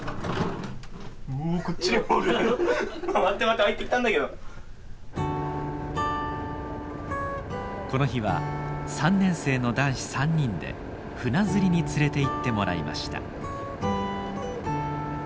待って待ってこの日は３年生の男子３人で船釣りに連れていってもらいました。